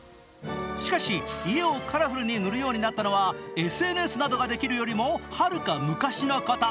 しかし家をカラフルに塗るようになったのはＳＮＳなどができるよりもはるか昔のこと。